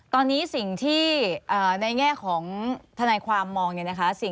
ตอนนี้ในแง่ของธนาความมองเนี่ยนะคะ